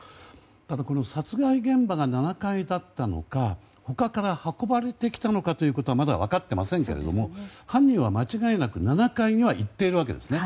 ただ、殺害現場が７回だったのか他から運ばれてきたのかはまだ分かっていませんが犯人は間違いなく７階には行っているわけですね。